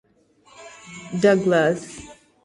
Douglass.